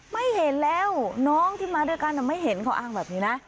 ไม่เห็นแล้วน้องที่มาด้วยกันไม่เห็นเขาอ้างแบบนี้นะ